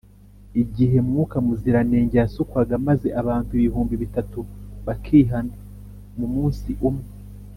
igihe mwuka muziranenge yasukwaga maze abantu ibihumbi bitatu bakihana mu munsi umwe,